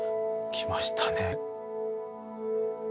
きましたね。